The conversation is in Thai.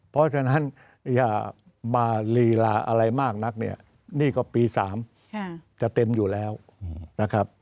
เพราะฉะนั้นอย่ามาลีลาอะไรมากนักเนี่ยนี่ก็ปี๓จะเต็มอยู่แล้วนะครับ